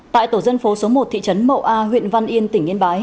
tại tổ dân phố số một thị trấn mậu a huyện văn yên tỉnh yên bái